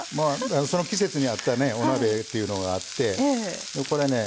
その季節に合ったお鍋っていうのがあってこれね